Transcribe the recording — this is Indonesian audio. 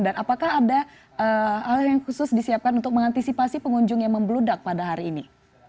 dan apakah ada hal yang khusus disiapkan untuk mengantisipasi pengunjung yang membludak pada hari ini